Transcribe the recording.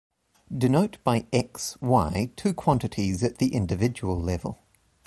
Denote by "X", "Y" two quantities at the individual level.